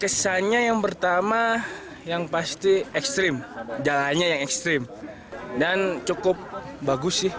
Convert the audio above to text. kesannya yang pertama yang pasti ekstrim jalannya yang ekstrim dan cukup bagus sih